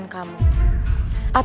atau kamu mau aku berubah